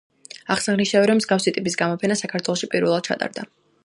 აღსანიშნავია, რომ მსგავსი ტიპის გამოფენა საქართველოში პირველად ჩატარდა.